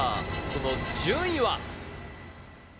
その順位は？